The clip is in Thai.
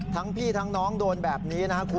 พี่ทั้งน้องโดนแบบนี้นะครับคุณ